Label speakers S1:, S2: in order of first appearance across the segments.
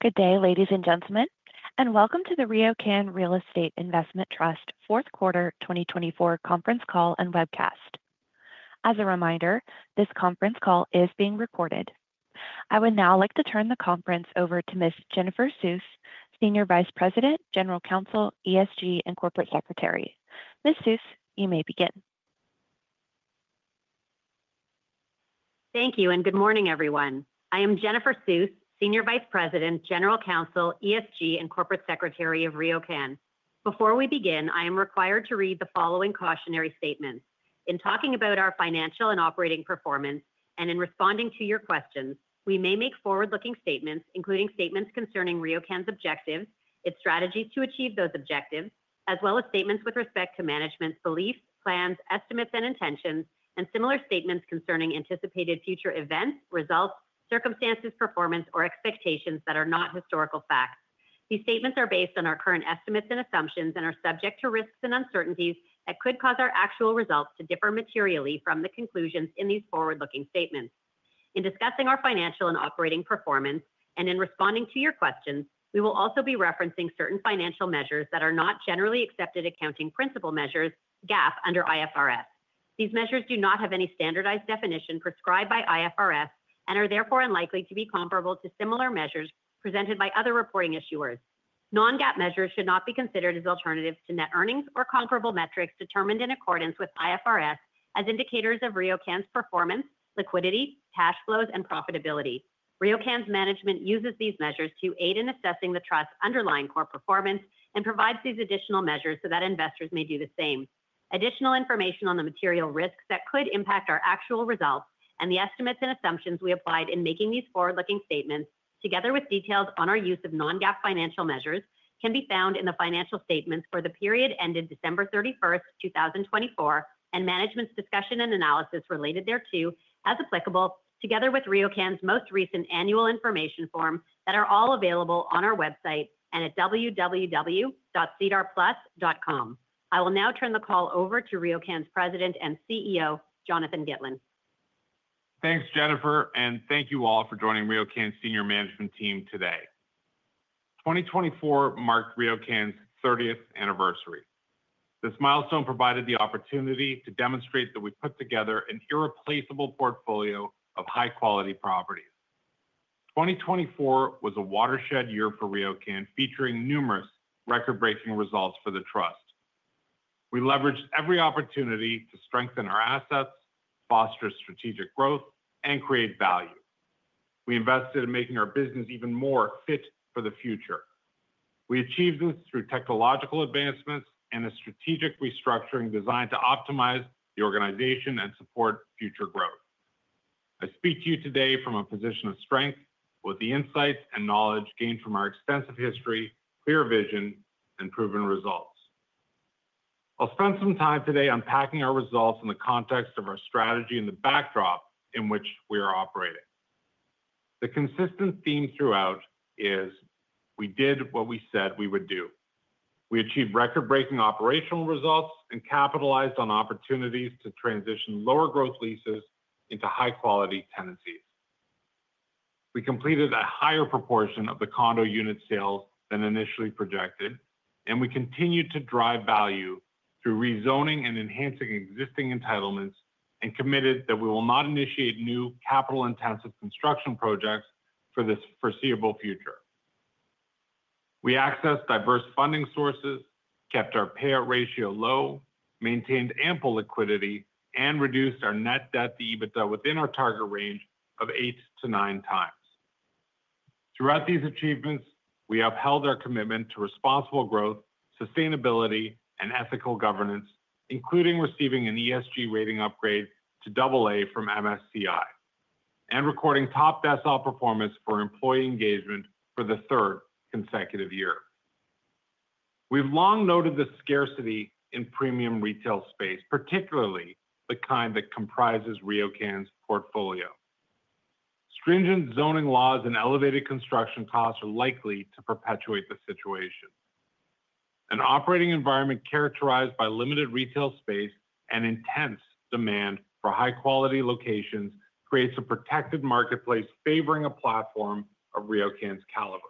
S1: Good day, ladies and gentlemen, and welcome to the RioCan Real Estate Investment Trust Q4 2024 Conference Call and Webcast. As a reminder, this conference call is being recorded. I would now like to turn the conference over to Ms. Jennifer Suess, Senior Vice President, General Counsel, ESG and Corporate Secretary. Ms. Suess, you may begin.
S2: Thank. Good morning everyone. I am Jennifer Suess, Senior Vice President, General Counsel, ESG, and Corporate Secretary of RioCan. Before we begin, I am required to read the following cautionary statements. In talking about our financial and operating performance and in responding to your questions, we may make forward-looking statements, including statements concerning RioCan's objectives, its strategies to achieve those objectives, as well as statements with respect to management's beliefs, plans, estimates, and intentions and similar statements concerning anticipated future events, results, circumstances, performance, or expectations that are not historical facts. These statements are based on our current estimates and assumptions and are subject to risks and uncertainties that could cause our actual results to differ materially from the conclusions in these forward-looking statements. In discussing our financial and operating performance and in responding to your questions, we will also be referencing certain financial measures that are not generally accepted accounting principles measures (GAAP) under IFRS. These measures do not have any standardized definition prescribed by IFRS and are therefore unlikely to be comparable to similar measures presented by other reporting issuers. Non-GAAP measures should not be considered as alternatives to net earnings or comparable metrics determined in accordance with IFRS as indicators of RioCan's performance, liquidity, cash flows and profitability. RioCan's management uses these measures to aid in assessing the Trust's underlying core performance and provides these additional measures so that investors may do the same. Additional information on the material risks that could impact our actual results and the estimates and assumptions we applied in making these forward-looking statements together with details on our use of non-GAAP financial measures can be found in the financial statements for the period ended December 31, 2024 and Management's Discussion and Analysis related thereto as applicable, together with RioCan's most recent Annual Information Form that are all available on our website and at www.sedarplus.ca. I will now turn the call over to RioCan's President and CEO Jonathan Gitlin.
S3: Thanks, Jennifer, and thank you all for joining RioCan's Senior Management team. Today, 2024 marked RioCan's 30th anniversary. This milestone provided the opportunity to demonstrate that we put together an irreplaceable portfolio of high quality properties. 2024 was a watershed year for RioCan, featuring numerous record-breaking results for the Trust. We leveraged every opportunity to strengthen our assets, foster strategic growth and create value. We invested in making our business even more fit for the future. We achieved this through technological advancements and a strategic restructuring designed to optimize the organization and support future growth. I speak to you today from a position of strength with the insights and knowledge gained from our extensive history, clear vision and proven results. I'll spend some time today unpacking our results in the context of our strategy and the backdrop in which we are operating. The consistent theme throughout is we did what we said we would do. We achieved record breaking operational results and capitalized on opportunities to transition lower growth leases into high quality tenancies. We completed a higher proportion of the condo unit sales than initially projected and we continue to drive value through rezoning and enhancing existing entitlements and committed that we will not initiate new capital intensive construction projects for this foreseeable future. We accessed diverse funding sources, kept our payout ratio low, maintained ample liquidity, and reduced our net debt to EBITDA within our target range of eight to nine times. Throughout these achievements, we upheld our commitment to responsible growth, sustainability and ethical governance, including receiving an ESG rating upgrade to AA from MSCI and recording top decile performance for employee engagement for the third consecutive year. We've long noted the scarcity in premium retail space, particularly the kind that comprises RioCan's portfolio. Stringent zoning laws and elevated construction costs are likely to perpetuate the situation. An operating environment characterized by limited retail space and intense demand for high quality locations creates a protected marketplace favoring a platform of RioCan's caliber.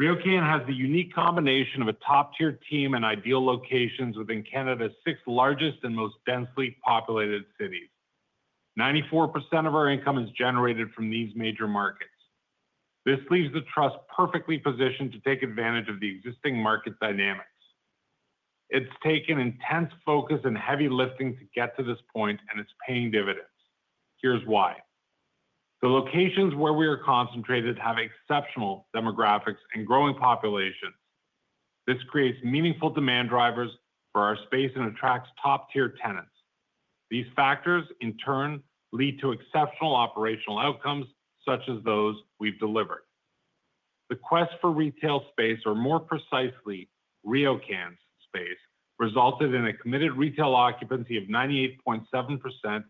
S3: RioCan has the unique combination of a top tier team and ideal locations within Canada's six largest and most densely populated cities. 94% of our income is generated from these major markets. This leaves the trust perfectly positioned to take advantage of the existing market dynamics. It's taken intense focus and heavy lifting to get to this point and it's paying dividends. Here's why. The locations where we are concentrated have exceptional demographics and growing populations. This creates meaningful demand drivers for our space and attracts top tier tenants. These factors in turn lead to exceptional operational outcomes such as those we've delivered. The quest for retail space, or more precisely, RioCan space, resulted in a committed retail occupancy of 98.7%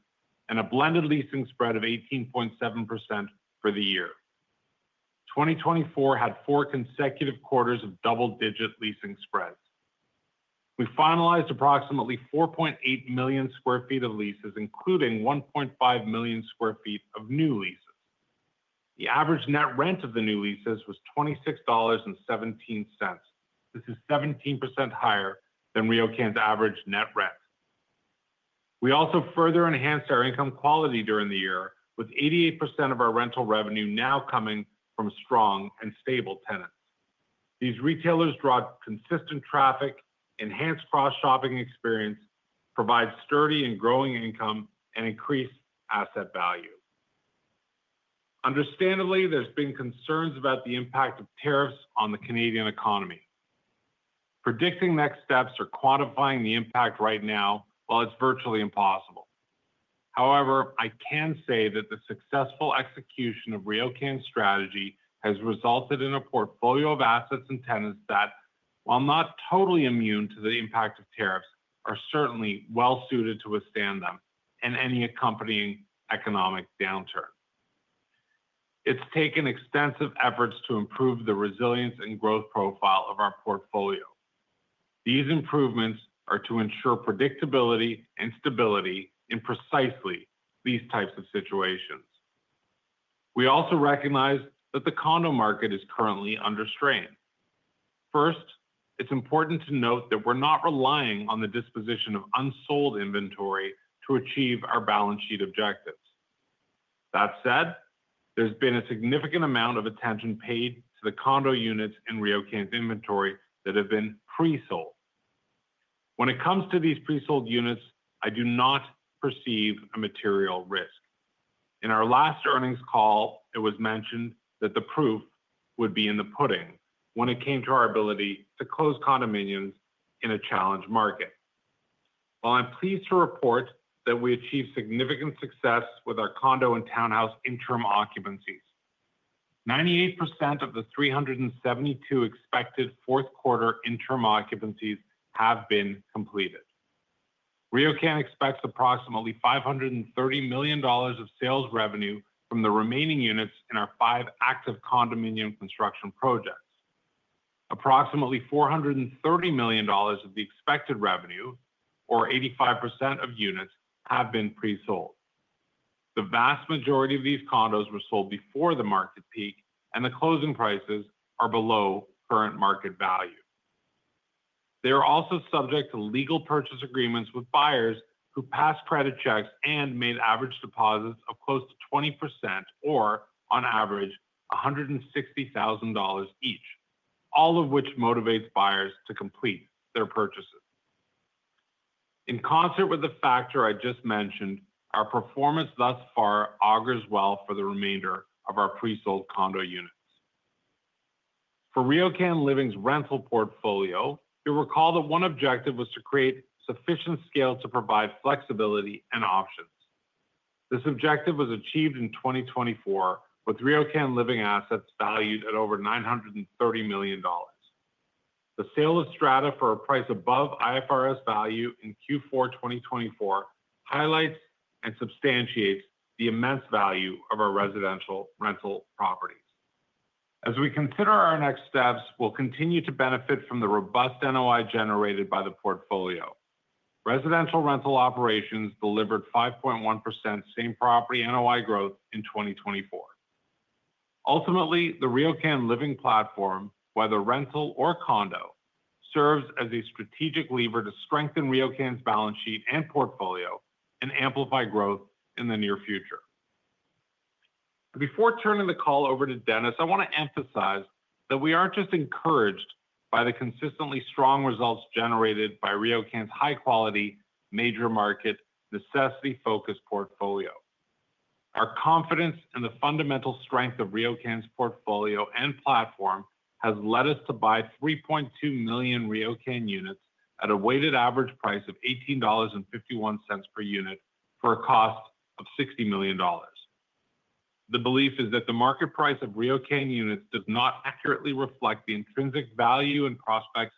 S3: and a blended leasing spread of 18.7%. For the year 2024 had four consecutive quarters of double-digit leasing spreads. We finalized approximately 4.8 million sq. ft of leases including 1.5 million sq. ft of new leases. The average net rent of the new leases was 26.17 dollars. This is 17% higher than RioCan's average net rent. We also further enhanced our income quality during the year with 88% of our rental revenue now coming from strong and stable tenants. These retailers draw consistent traffic, enhanced cross shopping experience, provide sturdy and growing income, and increase asset value. Understandably, there's been concerns about the impact of tariffs on the Canadian economy. Predicting next steps or quantifying the impact right now, while it's virtually impossible. However, I can say that the successful execution of RioCan strategy has resulted in a portfolio of assets and tenants that, while not totally immune to the impact of tariffs, are certainly well suited to withstand them and any accompanying economic downturn. It's taken extensive efforts to improve the resilience and growth profile of our portfolio. These improvements are to ensure predictability and stability in precisely these types of situations. We also recognize that the condo market is currently under strain. First, it's important to note that we're not relying on the disposition of unsold inventory to achieve our balance sheet objectives. That said, there's been a significant amount of attention paid to the condo units in RioCan's inventory that have been pre-sold. When it comes to these pre-sold units, I do not perceive a material risk. In our last earnings call, it was mentioned that the proof would be in the pudding when it came to our ability to close condominiums in a challenged market. While I'm pleased to report that we achieved significant success with our condo and townhouse interim occupancies, 98% of the 372 expected Q4 interim occupancies have been completed. RioCan expects approximately 530 million dollars of sales revenue from the remaining units. In our five active condominium construction projects, approximately 430 million dollars of the expected revenue, or 85% of units have been pre-sold. The vast majority of these condos were sold before the market peak and the closing prices are below current market value. They are also subject to legal purchase agreements with buyers who passed credit checks and made average deposits of close to 20% or on average 160,000 dollars each, all of which motivates buyers to complete their purchases. In concert with the factor I just mentioned, our performance thus far augurs well for the remainder of our pre sold condo units. For RioCan Living's rental portfolio, you'll recall that one objective was to create sufficient scale to provide flexibility and options. This objective was achieved in 2024 with RioCan Living assets valued at over 930 million dollars. The sale of strata for a price above IFRS value in Q4 2024 highlights and substantiates the immense value of our residential rental properties. As we consider our next steps, we'll continue to benefit from the robust NOI generated by the portfolio. Residential rental operations delivered 5.1% same property NOI growth in 2024. Ultimately, the RioCan Living platform, whether rental or condo, serves as a strategic lever to strengthen RioCan's balance sheet and portfolio and amplify growth in the near future. Before turning the call over to Dennis, I want to emphasize that we aren't just encouraged by the consistently strong results generated by RioCan's high quality major market necessity focused portfolio. Our confidence in the fundamental strength of RioCan's portfolio and platform has led us to buy 3.2 million RioCan units at a weighted average price of 18.51 dollars per unit for a cost of 60 million dollars. The belief is that the market price of RioCan units does not accurately reflect the intrinsic value and prospects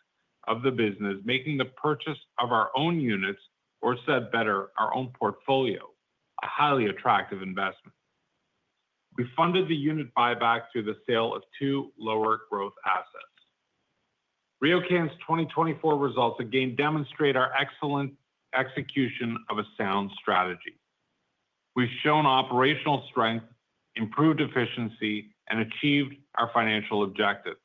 S3: of the business, making the purchase of our own units, or said better, our own portfolio a highly attractive investment. We funded the unit buyback through the sale of two lower growth assets. RioCan's 2024 results again demonstrate our excellent execution of a sound strategy. We've shown operational strength, improved efficiency and achieved our financial objectives.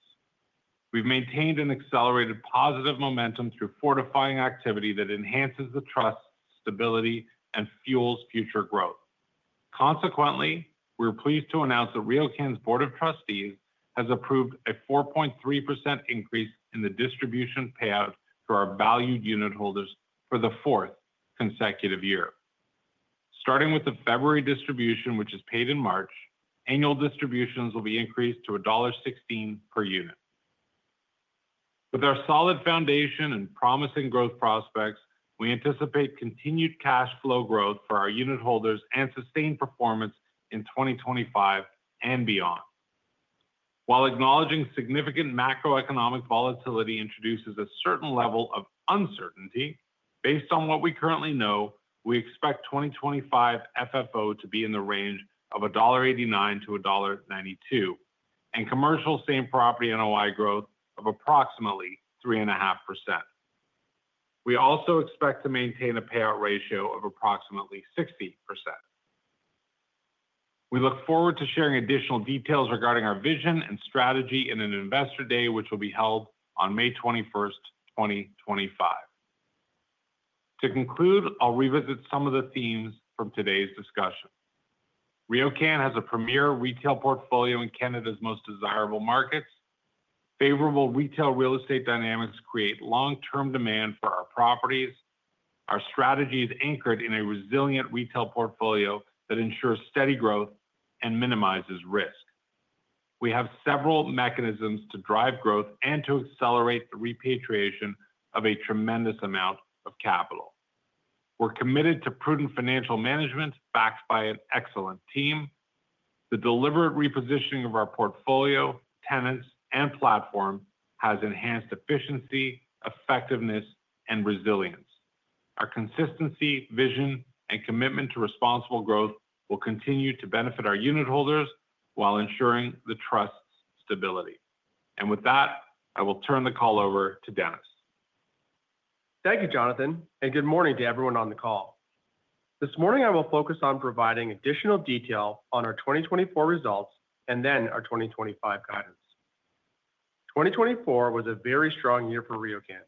S3: We've maintained an accelerated positive momentum through fortifying activity that enhances the trust stability and fuels future growth. Consequently, we're pleased to announce that RioCan's board of trustees has approved a 4.3% increase in the distribution payout for our valued unitholders for the fourth consecutive year. Starting with the February distribution, which is paid in March, annual distributions will be increased to dollar 1.16 per unit. With our solid foundation and promising growth prospects, we anticipate continued cash flow growth for our unitholders and sustained performance in 2025 and beyond. While acknowledging significant macroeconomic volatility introduces a certain level of uncertainty, based on what we currently know, we expect 2025 FFO to be in the range of 1.89-1.92 dollar and commercial same property NOI growth of approximately 3.5%. We also expect to maintain a payout ratio of approximately 60%. We look forward to sharing additional details regarding our vision and strategy in an Investor Day which will be held on May 21, 2025. To conclude, I'll revisit some of the themes from today's discussion. RioCan has a premier retail portfolio in Canada's most desirable markets. Favorable retail real estate dynamics create long term demand for our properties. Our strategy is anchored in a resilient retail portfolio that ensures steady growth and minimizes risk. We have several mechanisms to drive growth and to accelerate the repatriation of a tremendous amount of capital. We're committed to prudent financial management backed by an excellent team. The deliberate repositioning of our portfolio tenants and platforms has enhanced efficiency, effectiveness and resilience. Our consistency, vision and commitment to responsible growth will continue to benefit our unitholders while ensuring the trust's stability, and with that I will turn the call over to Dennis.
S4: Thank you, Jonathan and good morning to everyone on the call. This morning I will focus on providing additional detail on our 2024 results and then our 2025 guidance. 2024 was a very strong year for RioCan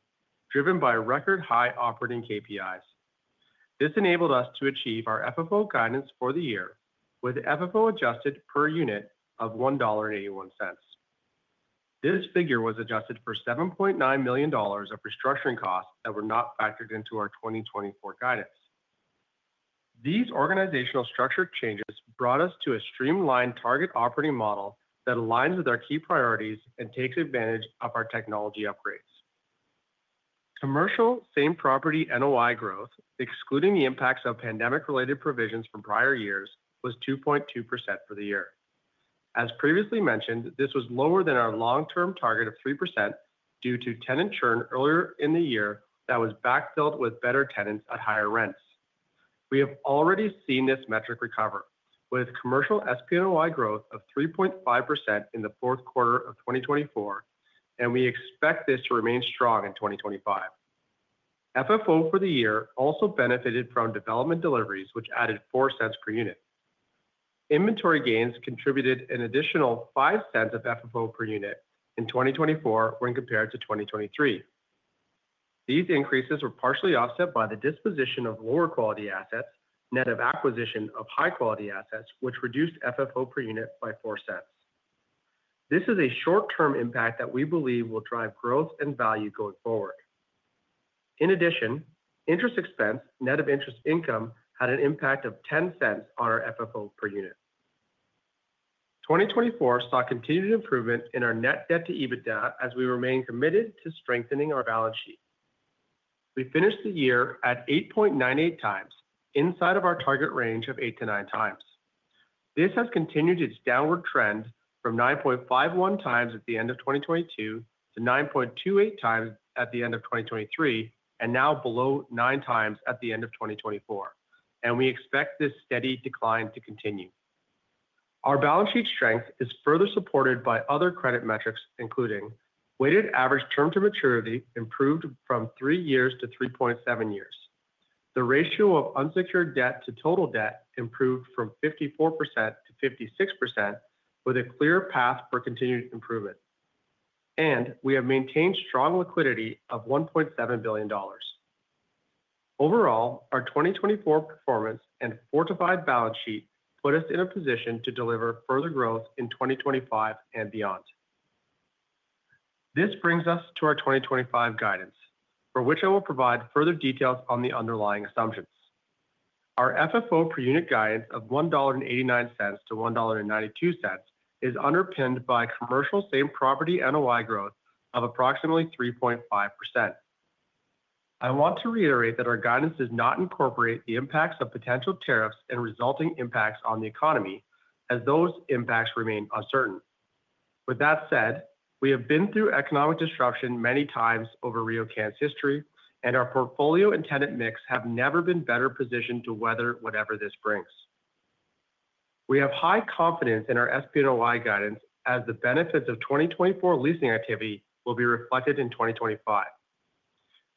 S4: driven by record high operating KPIs. This enabled us to achieve our FFO guidance for the year with FFO adjusted per unit of 1.81 dollar. This figure was adjusted for 7.9 million dollars of restructuring costs that were not factored into our 2024 guidance. These organizational structure changes brought us to a streamlined target operating model that aligns with our key priorities and takes advantage of our technology upgrades. Commercial same-property NOI growth excluding the impacts of pandemic related provisions from prior years was 2.2% for the year. As previously mentioned, this was lower than our long-term target of 3% due to tenant churn earlier in the year that was backfilled with better tenants at higher rents. We have already seen this metric recover with commercial SPNOI growth of 3.5% in the Q4 of 2024 and we expect this to remain strong in 2025. FFO for the year also benefited from development deliveries which added 0.04 per unit. Inventory gains contributed an additional 0.05 of FFO per unit in 2024 when compared to 2023. These increases were partially offset by the disposition of lower quality assets net of acquisition of high quality assets which reduced FFO per unit by 0.04. This is a short-term impact that we believe will drive growth and value going forward. In addition, interest expense net of interest income had an impact of 0.10 on our FFO per unit. 2024 saw continued improvement in our net debt to EBITDA as we remain committed to strengthening our balance sheet. We finished the year at 8.98 times inside of our target range of 8-9 times. This has continued its downward trend from 9.51 times at the end of 2022 to 9.28 times at the end of 2023 and now below 9 times at the end of 2024 and we expect this steady decline to continue. Our balance sheet strength is further supported by other credit metrics including weighted average term to maturity improved from three years to 3.7 years, the ratio of unsecured debt to total debt improved from 54%-56% with a clear path for continued improvement and we have maintained strong liquidity of 1.7 billion dollars. Overall, our 2024 performance and fortified balance sheet put us in a position to deliver further growth in 2025 and beyond. This brings us to our 2025 guidance for which I will provide further details on the underlying assumptions. Our FFO per unit guidance of 1.89-1.92 dollar is underpinned by commercial same property NOI growth of approximately 3.5%. I want to reiterate that our guidance does not incorporate the impacts of potential tariffs and resulting impacts on the economy as those impacts remain uncertain. With that said, we have been through economic disruption many times over RioCan's history and our portfolio and tenant mix have never been better positioned to weather whatever this brings. We have high confidence in our same-property NOI guidance as the benefits of 2024 leasing activity will be reflected in 2025.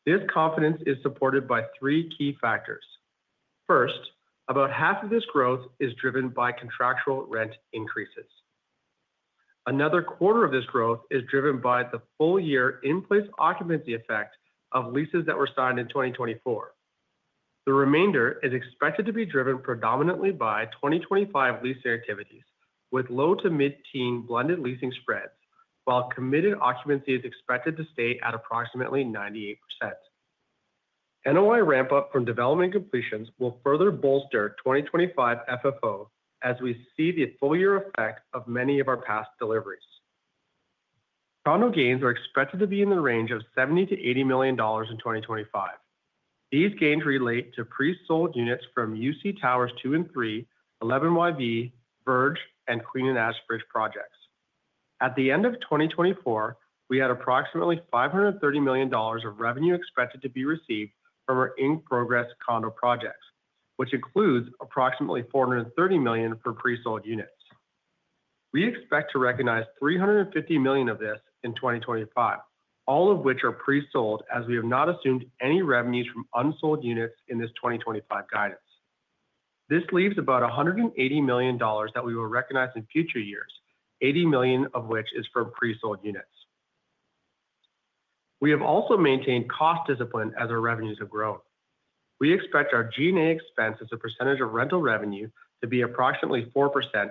S4: This confidence is supported by three key factors. First, about half of this growth is driven by contractual rent increases. Another quarter of this growth is driven by the full year in place occupancy effect of leases that were signed in 2024. The remainder is expected to be driven predominantly by 2025 lease activities with low to mid teen blended leasing spreads. While committed occupancy is expected to stay at approximately 98%. NOI ramp up from development completions will further bolster 2025 FFO as we see the full year effect of many of our past deliveries. Condo gains are expected to be in the range of 70 million-80 million dollars in 2025. These gains relate to pre sold units from UC Towers 2 and 3, 11 YV, Verge and Queen & Ashbridge projects. At the end of 2024 we had approximately 530 million dollars of revenue expected to be received from our in progress condo projects which includes approximately 430 million for pre sold units. We expect to recognize $350 million of this in 2025, all of which are pre-sold as we have not assumed any revenues from unsold units in this 2025 guidance. This leaves about $180 million that we will recognize in future years, $80 million of which is from pre-sold units. We have also maintained cost discipline as our revenues have grown. We expect our G&A expense as a percentage of rental revenue to be approximately 4%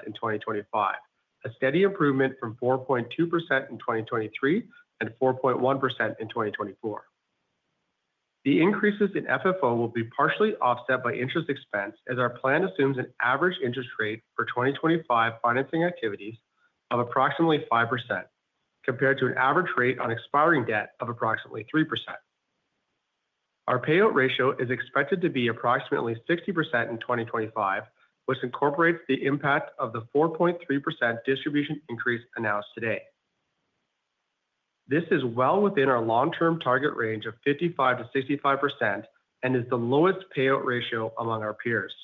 S4: in 2025, a steady improvement from 4.2% in 2023 and 4.1% in 2024. The increases in FFO will be partially offset by interest expense as our plan assumes an average interest rate for 2025 financing activities of approximately 5% compared to an average rate on expiring debt of approximately 3%. Our payout ratio is expected to be approximately 60% in 2025, which incorporates the impact of the 4.3% distribution increase announced today. This is well within our long-term target range of 55%-65% and is the lowest payout ratio among our peers.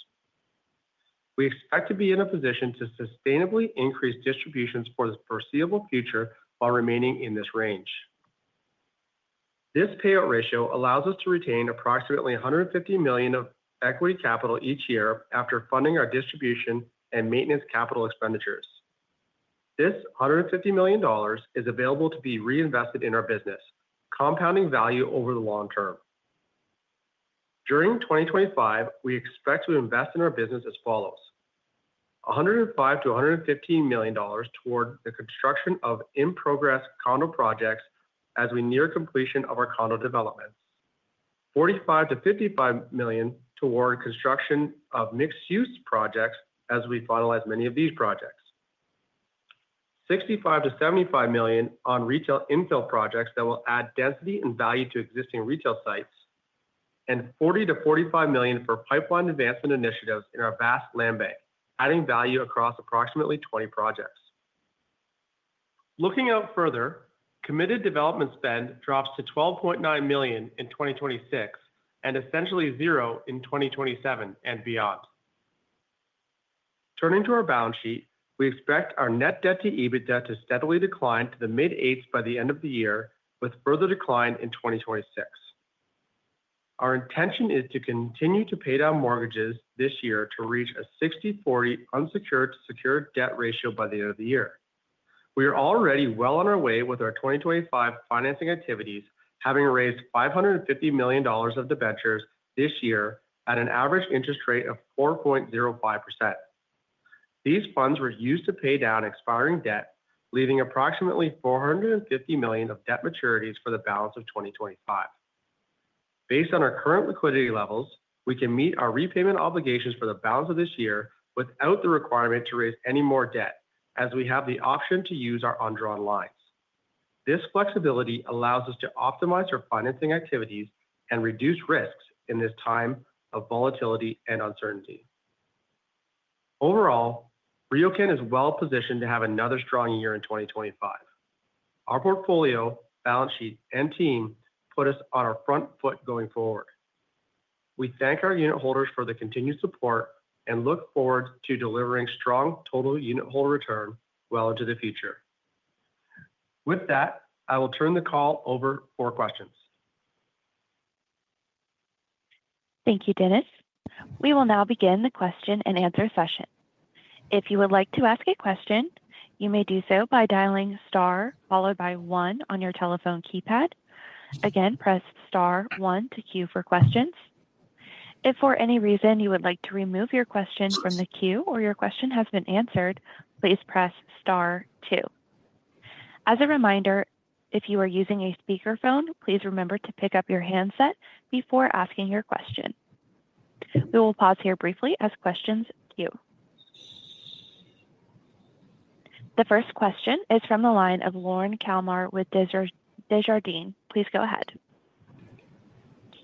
S4: We expect to be in a position to sustainably increase distributions for the foreseeable future while remaining in this range. This payout ratio allows us to retain approximately 150 million of equity capital each year after funding our distribution and maintenance capital expenditures. This 150 million dollars is available to be reinvested in our business compounding value over the long term. During 2025 we expect to invest in our business as follows. 105 million-115 million dollars toward the construction of in-progress condo projects as we near completion of our condo developments. 45 million-55 million toward construction of mixed-use projects as we finalize many of these projects. 65 million-75 million on retail infill projects that will add density and value to existing retail sites. And 40 million-45 million for pipeline advancement initiatives in our vast land bank, adding value across approximately 20 projects. Looking out further, committed development spend drops to 12.9 million in 2026, essentially zero in 2027 and beyond. Turning to our balance sheet, we expect our net debt to EBITDA to steadily decline to the mid-8s by the end of the year, with further decline in 2026. Our intention is to continue to pay down mortgages this year to reach a 60-40 unsecured to secured debt ratio by the end of the year. We are already well on our way with our 2025 financing activities, having raised 550 million dollars of debentures this year at an average interest rate of 4.05%. These funds were used to pay down expiring debt, leaving approximately 450 million of debt maturities for the balance of 2025. Based on our current liquidity levels, we can meet our repayment obligations for the balance of this year without the requirement to raise any more debt as we have the option to use our undrawn lines. This flexibility allows us to optimize our financing activities and reduce risks in this time of volatility and uncertainty. Overall, RioCan is well positioned to have another strong year in 2025. Our portfolio balance sheet and team put us on our front foot going forward. We thank our unitholders for the continued support and look forward to delivering strong total unitholder return well into the future. With that, I will turn the call over for questions.
S1: Thank you, Dennis. We will now begin the question and answer session. If you would like to ask a question, you may do so by dialing star followed by one on your telephone keypad. Again, press star one to queue for questions. If for any reason you would like to remove your question from the queue or your question has been answered, please press star two. As a reminder, if you are using a speakerphone, please remember to pick up your handset before asking your question. We will pause here briefly as questions queue. The first question is from the line of Lorne Kalmar with Desjardins. Please go ahead.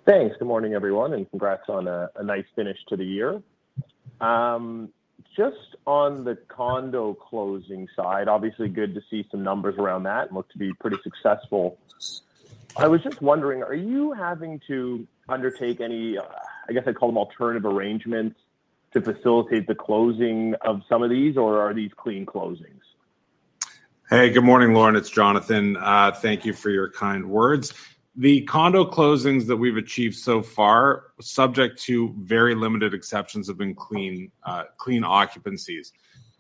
S5: Thanks. Good morning everyone and congrats on a nice finish to the year. Just on the condo closing side, obviously good to see some numbers around that look to be pretty successful. I was just wondering, are you having to undertake any, I guess I call, there alternative arrangements to facilitate the closing of some of these or are these clean closings?
S3: Hey, good morning Lorne, it's Jonathan. Thank you for your kind words. The condo closings that we've achieved so far, subject to very limited exceptions, have been clean, clean occupancy.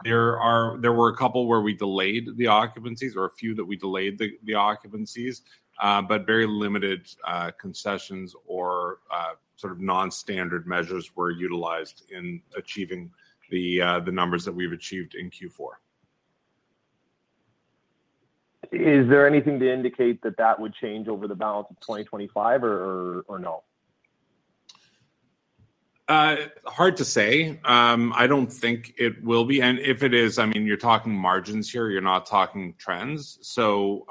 S3: There were a couple where we delayed the occupancies or a few that we delayed the occupancies, but very limited concessions or sort of non-standard measures were utilized in achieving the numbers that we've achieved in Q4.
S5: Is there anything to indicate that that would change over the balance of 2025 or no?
S3: Hard to say. I don't think it will be. And if it is, I mean you're talking margins here, you're not talking trends. So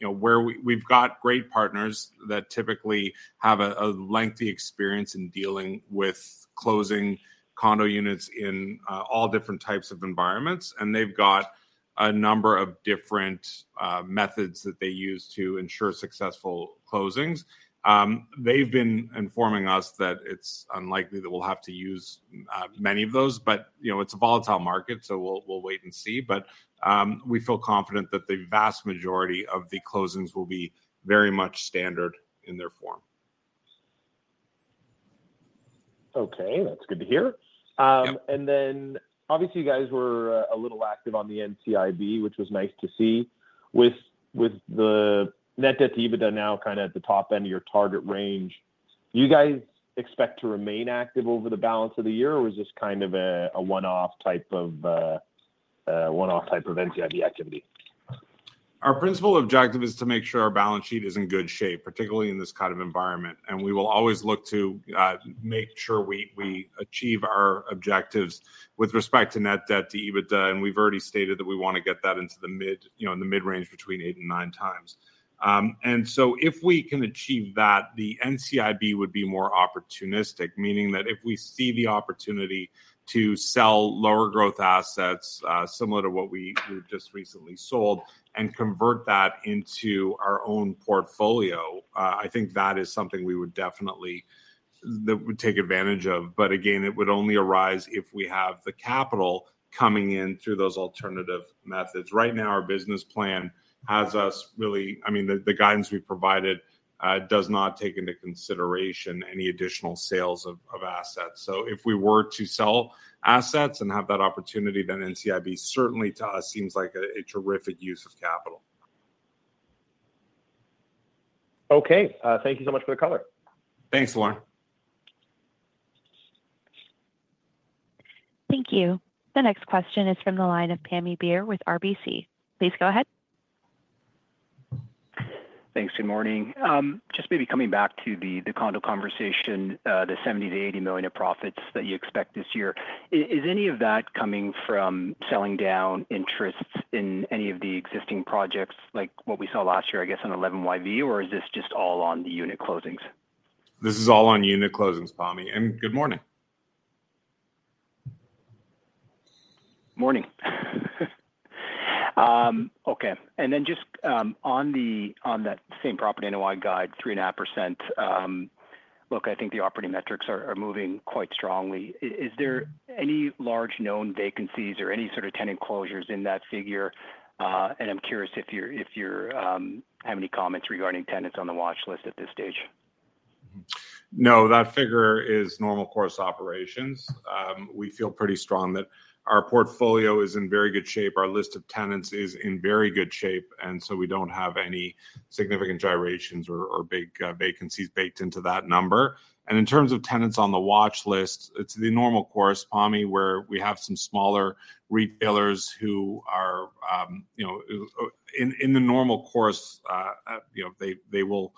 S3: you know where we've got great partners that typically have a lengthy experience in dealing with closing condo units in all different types of environments and they've got a number of different methods that they use to ensure successful condos closings. They've been informing us that it's unlikely that we'll have to use many of those. But you know, it's a volatile market, so we'll wait and see. But we feel confident that the vast majority of the closings will be very much standard in their form.
S5: Okay, that's good to hear, and then obviously you guys were a little active on the NCIB, which was nice to see. With the net debt to EBITDA now kind of at the top end of your target range, you guys expect to remain active over the balance of the. Year or is this kind of one off type of NCIB activity?
S3: Our principal objective is to make sure our balance sheet is in good shape, particularly in this kind of environment, and we will always look to make sure we achieve our objectives with respect to net debt to EBITDA. We've already stated that we want to get that into the mid, you know, in the mid range between eight and nine times, and so if we can achieve that, the NCIB would be more opportunistic. Meaning that if we see the opportunity to sell lower growth assets similar to what we just recently sold and convert that into our own portfolio, I think that is something we would definitely take advantage of. But again, it would only arise if we have the capital coming in through those alternatives methods. Right now, our business plan has us really. I mean, the guidance we provided does not take into consideration any additional sales of assets. So if we were to sell assets and have that opportunity, then NCIB certainly to us seems like a terrific use of capital.
S5: Okay, thank you so much for the color.
S3: Thanks, Lorne.
S1: Thank you. The next question is from the line of Pammi Bir with RBC. Please go ahead.
S6: Thanks. Good morning. Just maybe coming back to the condo conversation. The 70 million-80 million of profits that you expect this year, is any of that coming from selling down interests in any of the existing projects like? What we saw last year, I guess on 11 YV or is this just all on the unit closings?
S3: This is all on unit closings. Good morning.
S6: Morning. Okay, and then just on that same property, NOI guide, 3.5%. Look, I think the operating metrics are moving quite strongly. Is there any large known vacancies or any sort of tenant closures in that figure? And I'm curious if you're, if you have any comments regarding tenants on the watch list at this stage?
S3: No, that figure is normal course operations. We feel pretty strong that our portfolio is in very good shape, our list of tenants is in very good shape. And so we don't have any significant gyrations or big vacancies baked into that number and in terms of tenants on the watch list. It's the normal course, Pammi, where we have some smaller retailers who are, you know, in the normal course, you know, they will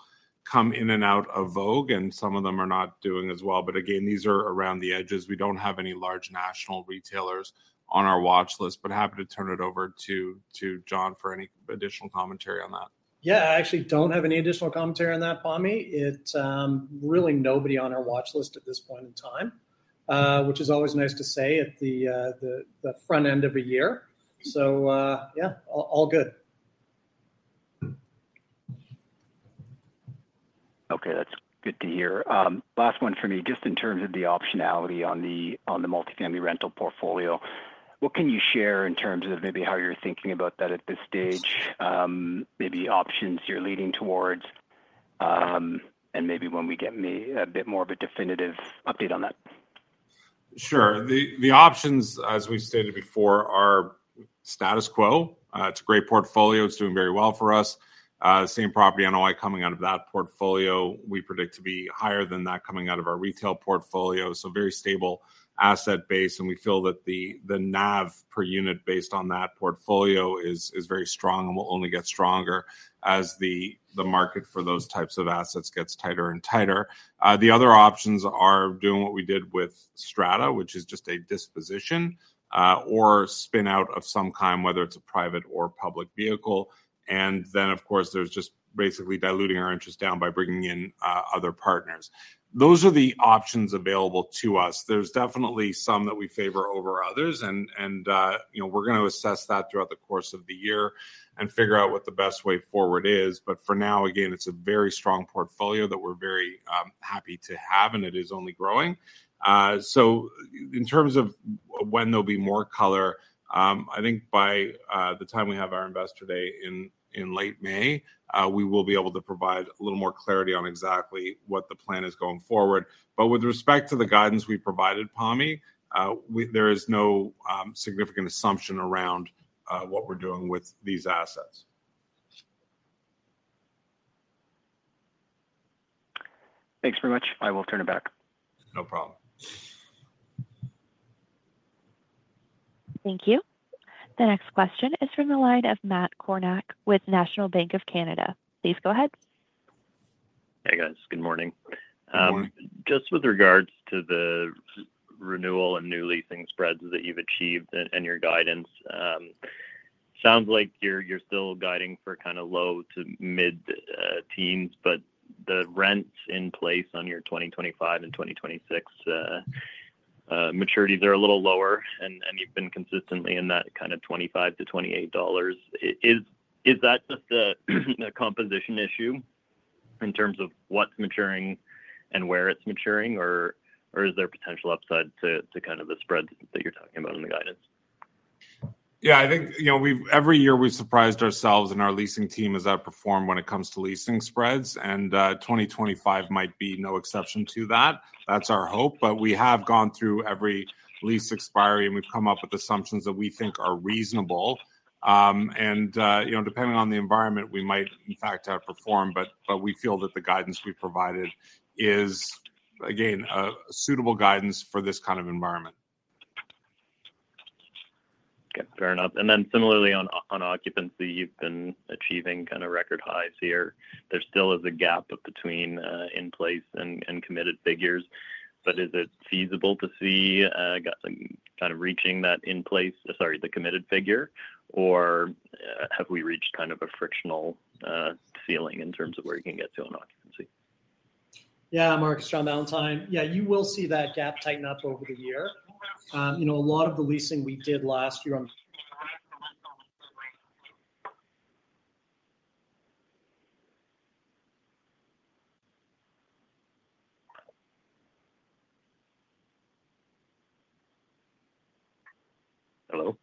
S3: come in and out of vogue and some of them are not doing as well. But again, these are around the edges. We don't have any large national retailers on our watch list, but happy to turn it over to John for any additional commentary on that.
S7: Yeah, I actually don't have any additional commentary on that, Pammi. Really, nobody on our watch list at this point in time, which is always nice to say at the front end of a year. So, yeah, all good.
S6: Okay, that's good to hear. Last one for me, just in terms of the optionality on the multifamily rental portfolio, what can you share in terms of maybe how you're thinking about that at this stage? Maybe options you're leading towards. Maybe when we get a bit more of a definitive update on that.
S3: Sure. The options, as we stated before, are status quo. It's a great portfolio. It's doing very well for us. Same Property NOI coming out of that portfolio, we predict to be higher than that coming out of our retail portfolio. So very stable asset base. And we feel that the, the NAV per unit based on that portfolio is, is very strong and will only get stronger as the, the market for those types of assets gets tighter and tighter. The other options are doing what we did with Strata, which is just a disposition or spin out of some kind, whether it's a private or public vehicle. And then of course there's just basically diluting our interest down by bringing in other partners. Those are the options available to us. There's definitely some that we favor over others. You know, we're going to assess that throughout the course of the year and figure out what the best way forward is. But for now, again, it's a very strong portfolio that we're very happy to have and it is only growing. So in terms of when there'll be more color, I think by the time we have our investor day in late May, we will be able to provide a little more clarity on exactly what the plan is going forward. But with respect to the guidance we provided Pammi, there is no significant assumption around what we're doing with these assets.
S5: Thanks very much. I will turn it back.
S3: No problem.
S1: Thank you. The next question is from the line of Matt Kornack with National Bank of Canada. Please go ahead.
S8: Hey guys, good morning. Just with regards to the renewal and new leasing spreads that you've achieved and your guidance sounds like you're still guiding for kind of low to mid teens. But the rents in place on your 2025 and 2026. Maturities are a little lower, and you've been consistently in that kind of 25-28 dollars. Is that just a composition issue in terms of what's maturing and where it's maturing, or is there potential upside to kind of the spreads that you're talking about in the guidance?
S3: Yeah, I think every year we've surprised ourselves and our leasing team has outperformed when it comes to leasing spreads. And 2020 exception to that, that's our hope. But we have gone through every lease expiry and we've come up with assumptions that we think are reasonable. And, you know, depending on the environment, we might in fact outperform. But we feel that the guidance we provided is again, suitable guidance for this kind of environment.
S8: Okay, fair enough. And then similarly, on occupancy, you've been achieving kind of record highs here. There still is a gap between in place and committed figures, but is it feasible to see kind of reaching that in place, sorry, the committed figure, or have we reached kind of a frictional ceiling in terms of where you can get to an occupancy?
S7: Yeah. Matt, it's John Ballantyne. Yeah. You will see that gap tighten up over the year. You know, a lot of the leasing we did last year on.
S8: Hello.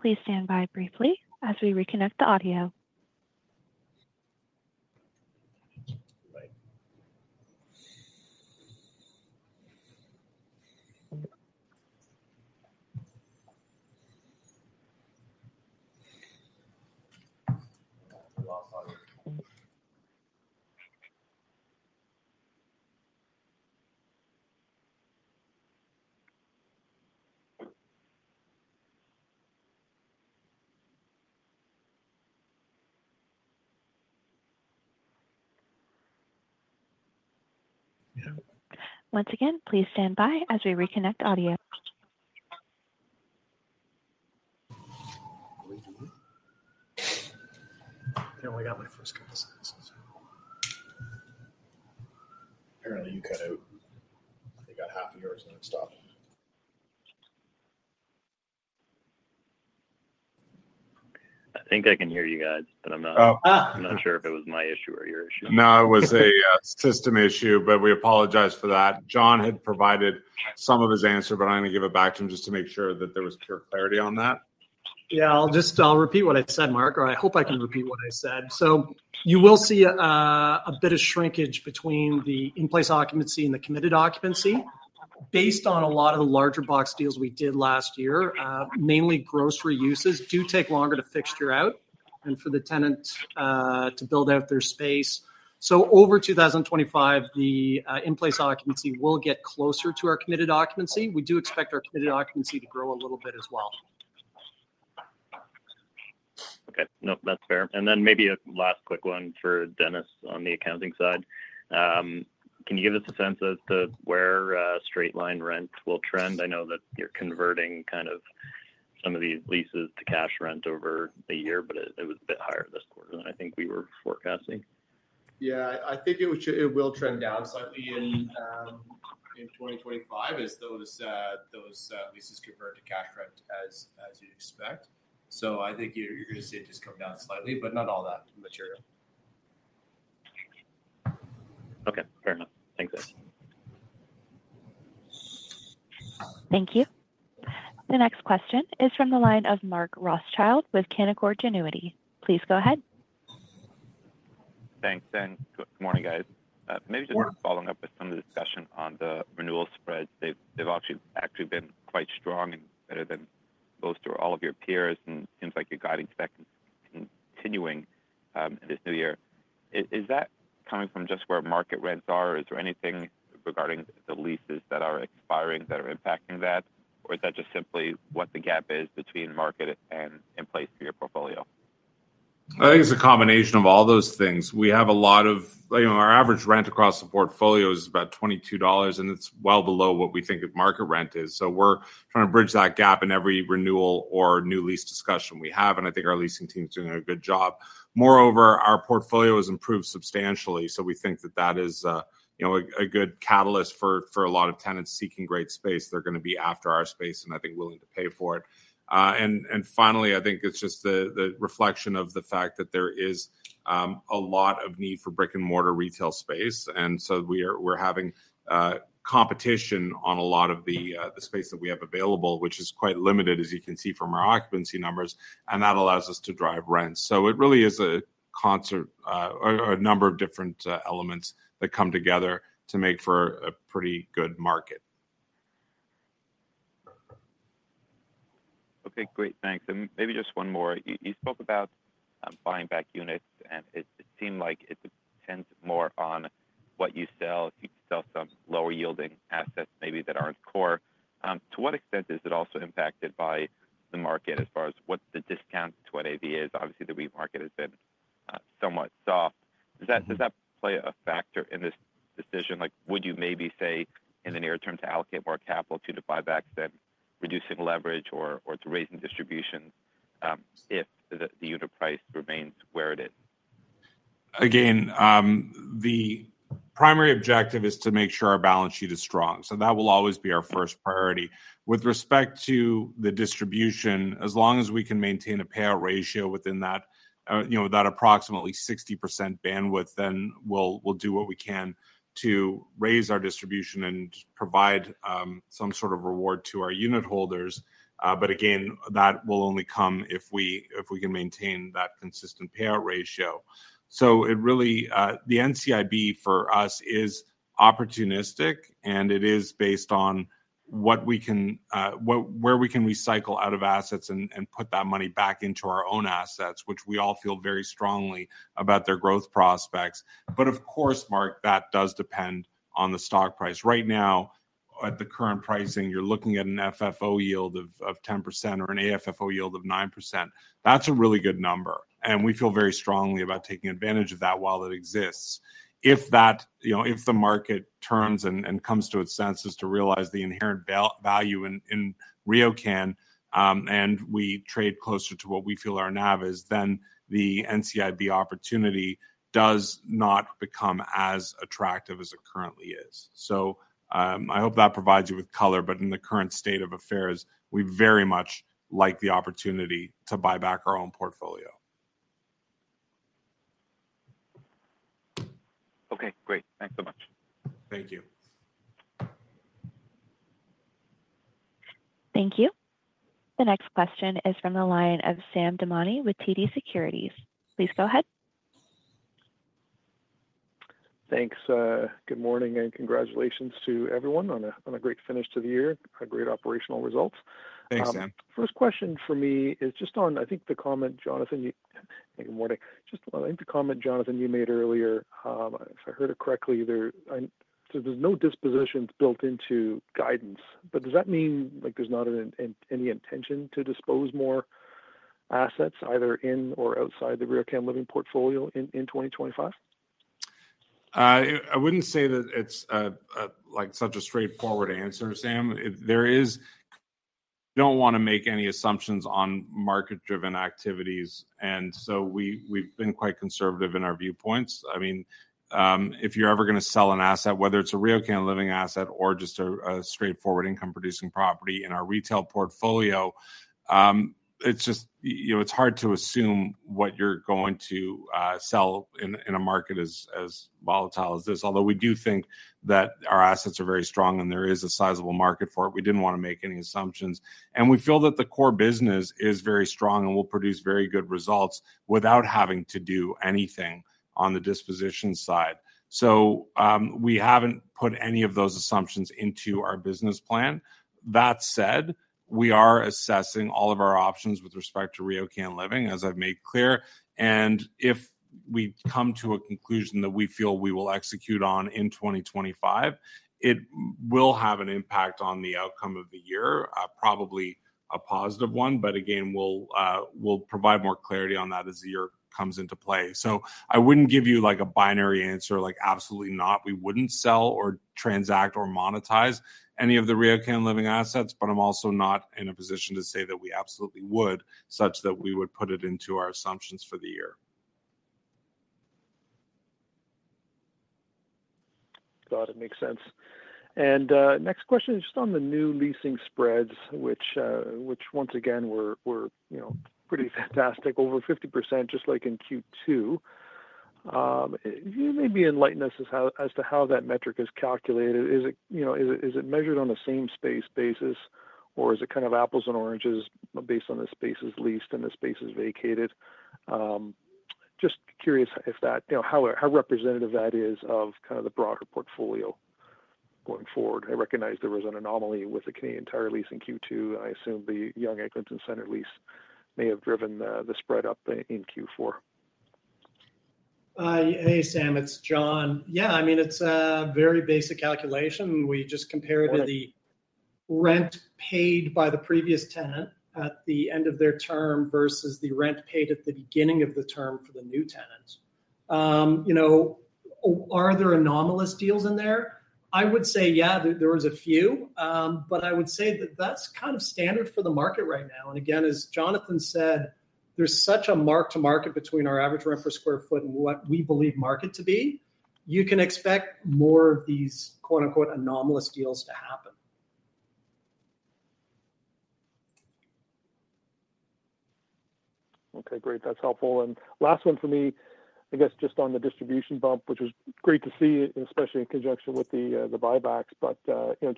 S1: Please stand by briefly as we reconnect the audio. Once again, please stand by as we reconnect audio.
S3: Apparently you cut out, you got half of yours and then stop.
S8: I think I can hear you guys, but I'm not sure if it was my issue or your issue.
S3: No, it was a system issue, but we apologize for that. John had provided some of his answer, but I'm going to give it back to him just to make sure that there was pure clarity on that.
S7: Yeah, I'll repeat what I said, Matt, or I hope I can repeat what I said. So you will see a bit of shrinkage between the in-place occupancy and the committed occupancy based on a lot of the larger box deals we did last year. Mainly, gross leases do take longer to fixture out and for the tenant to build out their space. So over 2025, the in-place occupancy will get closer to our committed occupancy. We do expect our committed occupancy to grow a little bit as well.
S8: Okay, that's fair. And then maybe a last quick one for Dennis, on the accounting side, can you give us a sense as to where straight line rent will trend? I know that you're converting kind of some of these leases to cash rent over a year, but it was a bit higher this quarter than I think we were forecasting.
S4: Yeah, I think it will trend down slightly in 2025 as those leases convert to cash rent, as you expect. So I think you're going to see it just come down slightly, but not all that material.
S8: Okay, fair enough. Thanks.
S1: Thank you. The next question is from the line of Mark Rothschild with Canaccord Genuity. Please go ahead.
S9: Thanks and good morning, guys. Maybe just following up with some discussion on the renewal spreads. They've actually been quite strong and better than most or all of your peers, and it seems like you're guiding continuing this new year. Is that coming from just where market rents are? Is there anything regarding the leases that are expiring that are impacting that, or is that just simply what the gap is between market and in place for your portfolio?
S3: I think it's a combination of all those things. We have a lot of our average rent across the portfolio is about 22 dollars and it's well below what we think the market rent, trying to bridge that gap in every renewal or new lease discussion we have, and I think our leasing team is doing a good job. Moreover, our portfolio has improved substantially, so we think that is a good catalyst for a lot of tenants seeking great space. They're going to be after our space and I think willing to pay for it, and finally, I think it's just the reflection of the fact that there is a lot of need for brick and mortar retail space, and so we're having competition on a lot of the space that we have available, which is quite limited, as you can see from our occupancy numbers. That allows us to drive rents. It really is a concerted, number of different elements that come together to make for a pretty good market.
S9: Okay, great. Thanks. Maybe just one more. You spoke about buying back units and it seemed like it depends more on what you sell. You sell some lower yielding assets maybe that aren't core. To what extent is it also impacted by the market as far as what the discount to NAV is? Obviously the REIT market has been somewhat soft. Does that play a factor in this decision? Like, would you maybe say in the near term to allocate more capital to the buybacks than reducing leverage or to raising distribution if the unit price remains where it is?
S3: Again, the primary objective is to make sure our balance sheet is strong. So that will always be our first priority with respect to the distribution. As long as we can maintain a payout ratio within that, you know, that approximately 60% bandwidth, then we'll do what we can to raise our distribution and provide some sort of reward to our unitholders. But again that will only come if we, if we can maintain that consistent payout ratio. So it really, the NCIB for us is opportunistic and it is based on what we can, where we can recycle out of assets and put that money back into our own assets which we all feel very strongly about their growth prospects. But of course Mark, that does depend on the stock price. Right now at the current pricing you're looking at an FFO yield of 10% or an AFFO yield of 9%. That's a really good number and we feel very strongly about taking advantage of that while it exists. If the market turns and comes to its senses to realize the inherent value in RioCan and we trade closer to what we feel our NAV is, then the NCIB opportunity does not become as attractive as it could currently is. So I hope that provides you with color. But in the current state of affairs, we very much like the opportunity to buy back our own portfolio.
S9: Okay, great. Thanks so much.
S3: Thank you.
S1: Thank you. The next question is from the line of Sam Damiani with TD Securities. Please go ahead.
S10: Thanks. Good morning and congratulations to everyone on a great finish to the year, a great operational results.
S3: Thanks Sam.
S10: First question for me is just on, I think, the comment, Jonathan. Good morning. Just, I think, the comment, Jonathan, you made earlier, if I heard it correctly there, there's no dispositions built into guidance, but does that mean like there's not any intention to dispose more assets either in or outside the RioCan Living portfolio in 2025?
S3: I wouldn't say that it's like such a straightforward answer, Sam. We don't want to make any assumptions on market-driven activities. And so we've been quite conservative in our viewpoints. I mean if you're ever going to sell an asset, whether it's a RioCan Living asset or just a straightforward income producing property in our retail portfolio, it's just, you know, it's hard to assume what you're going to sell in a market as volatile as this. Although we do think that our assets are very strong and there is a sizable market for it, we didn't want to make any assumptions and we feel that the core business is very strong and will produce very good results without having to do anything on the disposition side. So we haven't put any of those assumptions into our business plan. That said, we are assessing all of our options with respect to RioCan Living, as I've made clear. And if we come to a conclusion that we feel we will execute on in 2025, it will have an impact on the outcome of the year, probably a positive one. But again, we'll provide more clarity on that as the year comes into play. So I wouldn't give you like a binary answer like absolutely not. We wouldn't sell or transact or monetize any of the RioCan Living assets. But I'm also not in a position to say that we absolutely would such that we would put it into our assumptions for the year.
S10: Thought it makes sense. And next question is just on the new leasing spreads, which once again were pretty fantastic. Over 50%, just like in Q2. You may be enlighten us as to how that metric is calculated. Is it, you know, is it measured on the same space basis or is it kind of apples and oranges based on the spaces leased and the space is vacated? Just curious if that, you know, how representative that is of kind of the broader portfolio going forward. I recognize there was an anomaly with the Canadian Tire lease in Q2, and I assume the Yonge Eglinton Centre lease may have driven the spread up in Q4.
S7: Hey, Sam, it's John. Yeah, I mean, it's a very basic calculation. We just compare it to the rent paid by the previous tenant at the end of their term versus the rent paid at the beginning of the term for the new tenant. You know, are there anomalous deals in there? I would say yeah, there was a few. But I would say that that's kind of standard for the market right now. And again, as Jonathan said, there's such a mark to market. Between our average rent per sq ft and what we believe market to be, you can expect more of these quote unquote anomalous deals to happen.
S10: Okay, great, that's helpful, and last one for me, I guess just on the distribution bump, which was great to see, especially in conjunction with the buybacks, but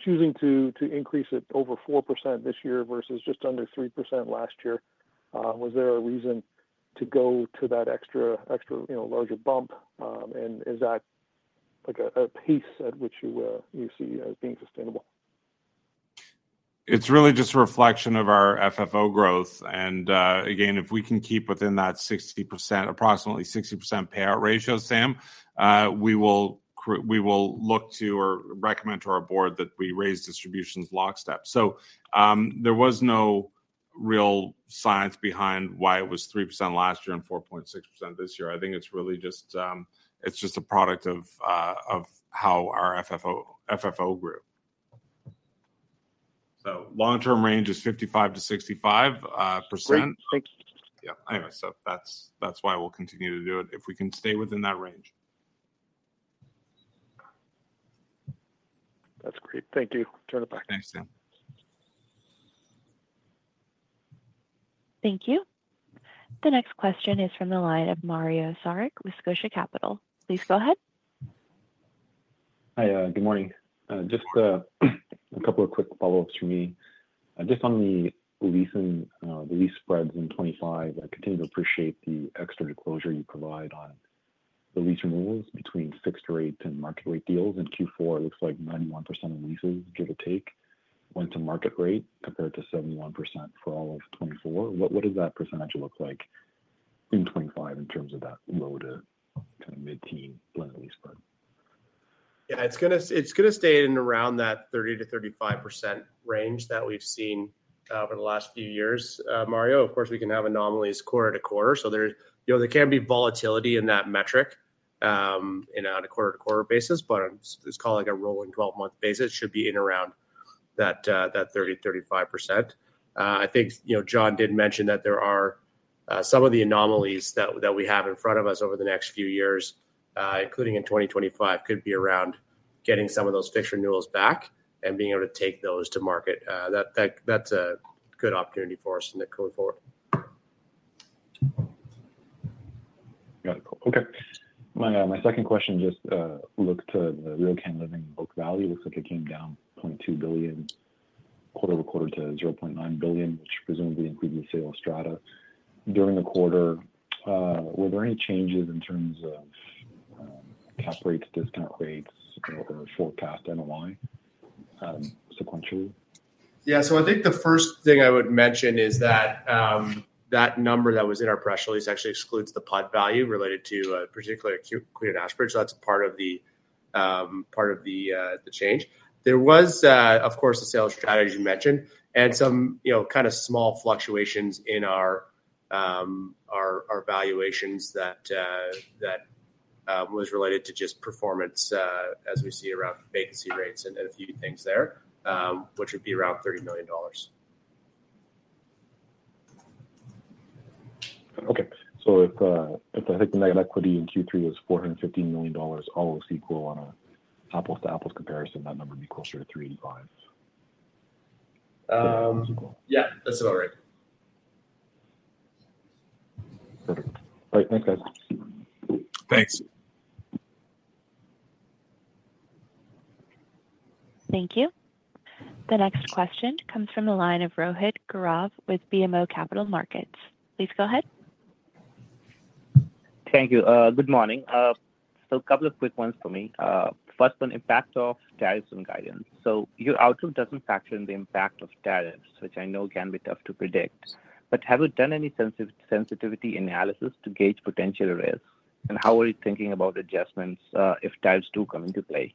S10: choosing to increase it over 4% this year versus just under 3% last year. Was there a reason to go to that extra, extra larger bump, and is that like a pace at which you see as being sustainable?
S3: It's really just a reflection of our FFO growth. And again, if we can keep within that 60%, approximately 60% payout ratio, Sam. We will look to or recommend to our board that we raise distributions lockstep. So there was no real science behind why it was 3% last year and 4.6% this year. I think it's really just, it's just a product of how our FFO grew. So long term range is 55%-65%. Yeah. Anyway, so that's, that's why we'll continue to do it if we can stay within that range.
S10: That's great. Thank you. I'll turn it back.
S3: Thanks, Sam.
S1: Thank you. The next question is from the line of Mario Saric with Scotia Capital. Please go ahead.
S11: Hi, good morning. Just a couple of quick follow-ups for me just on the leasing, the lease spreads in 2025. I continue to appreciate the extra color you provide on the lease renewals between fixed rate and market rate deals. In Q4, it looks like 91% of leases, give or take, went to market rate compared to 71% for all of 2024. What does that percentage look like in 2025 in terms of that low to kind of mid-teen lease?
S4: Yeah, it's going to stay in around that 30%-35% range that we've seen over the last few years, Mario. Of course we can have anomalies quarter-to-quarter. So there's, you know, there can be volatility in that metric on a quarter-to-quarter basis but it's called like a rolling 12-month basis. Should be in around that 30%-35% I think. You know, John did mention that there are some of the anomalies that we have in front of us over the next few years, including in 2025. Could be around getting some of those fixed renewals back and being able to take those to market. That's a good opportunity for us going forward.
S11: Okay, my second question, just look to the RioCan Living book value looks like it came down $0.2 billion quarter-over-quarter to $0.9 billion, which presumably includes sales strata. During the quarter, were there any changes in terms of cap rates, discount rates or forecast NOI sequentially?
S4: Yeah, so I think the first thing. I would mention is that that number that was in our press release actually excludes the NOI value related to Queen & Ashbridge. That's part of the change. There was of course the sales strata you mentioned and some, you know, kind of small fluctuations in our valuations that was related to just performance as we see around vacancy rates and a few things there, which would be around 30 million dollars.
S11: Okay, so if I think the negative equity in Q3 was 415 million dollars, all else equal. On an apples to apples comparison, that number would be closer to 385.
S4: Yeah, that's. All right.
S11: Thanks, guys.
S3: Thanks.
S1: Thank you. The next question comes from the line of Rohit Kumar with BMO Capital Markets. Please go ahead.
S12: Thank you. Good morning. A couple of quick ones for me. First, one, impact of tariffs and guidance. Your outlook does not factor in the impact of tariffs, which I know can be tough to predict, but have you done any sensitivity analysis to gauge potential risk and how are you thinking about adjustments if tariffs do come into play?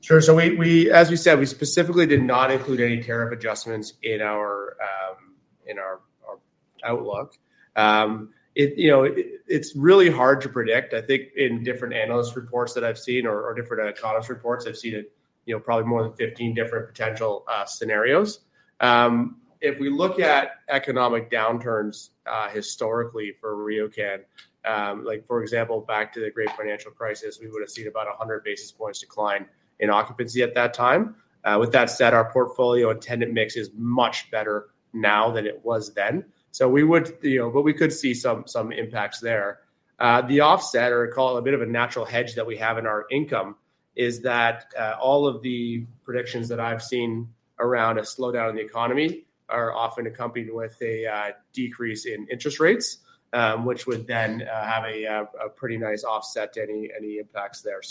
S4: Sure. As we said, we specifically did not include any tariff adjustments. In our outlook. It's really hard to predict. I think in different analyst reports that I've seen or different economist reports, I've seen, you know, probably more than 15 different potential scenarios. If we look at economic downturns historically for RioCan, like for example, back to the great financial crisis, we would have seen about 100 basis points decline in occupancy at that time. With that said, our portfolio and tenant mix is much better now than it was then. We could see some impacts there. The offset, or call it a bit of a natural hedge that we have in our income, is that all of the predictions that I've seen around a slowdown in the economy are often accompanied with a decrease in interest rates, which would then have a pretty nice offset to any impacts there.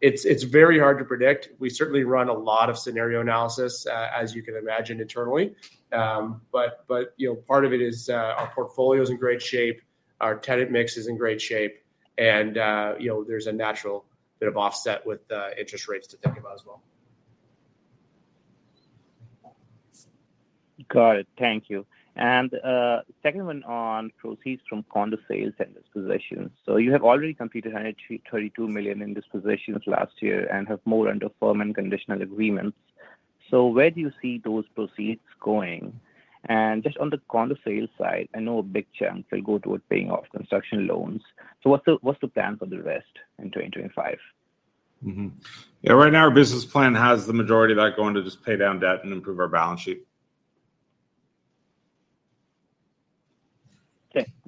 S4: It's very hard to predict. We certainly run a lot of scenario analysis, as you can imagine, internally. Part of it is our portfolio is in great shape, our tenant mix is in great shape, and there's a natural bit of offset with interest rates. To think about as well.
S12: Got it. Thank you. The second one, on proceeds from condo sales and dispositions. You have already completed 132 million in dispositions last year and have more under firm and conditional agreements. Where do you see those proceeds going? Just on the condo sales side, I know a big chunk will go toward paying off construction loans. What is the plan for the rest in 2025?
S3: Right now, our business plan has the majority of that going to just pay down debt and improve our balance sheet.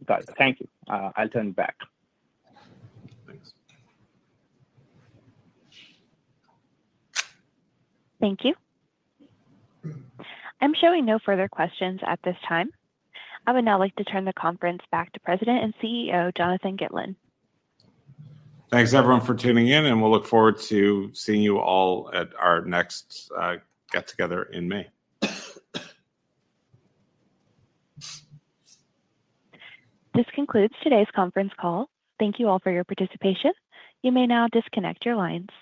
S12: Okay, got it. Thank you. I'll turn it back. Thank you.
S1: Thank you. I'm showing no further questions at this time. I would now like to turn the conference back to President and CEO Jonathan Gitlin.
S3: Thanks everyone for tuning in and we'll look forward to seeing you all at our next get together in May.
S1: This concludes today's conference call. Thank you all for your participation. You may now disconnect your lines.